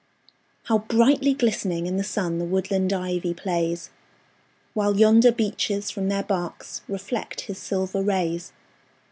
How brightly glistening in the sun The woodland ivy plays! While yonder beeches from their barks Reflect his silver rays.